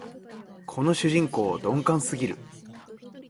この主人公、鈍感すぎる